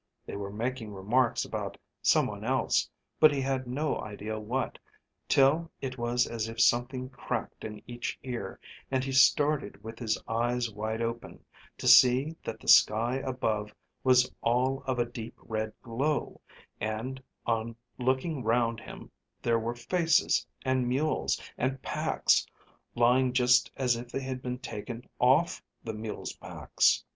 They were making remarks about some one else, but he had no idea what, till it was as if something cracked in each ear and he started with his eyes wide open, to see that the sky above was all of a deep red glow, and on looking round him there were faces and mules, and packs lying just as if they had been taken off the mules' backs.